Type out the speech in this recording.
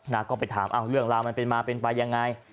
ก็ไปถามเรื่องราวมันเป็นมาเป็นไปยังไง